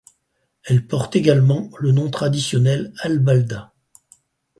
Elle porte également le nom traditionnel Albaldah.